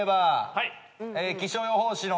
はい。